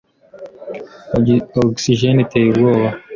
ogisijeni iteye ubwoba